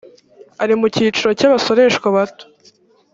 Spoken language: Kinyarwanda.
ari mu cyiciro cy abasoreshwa bato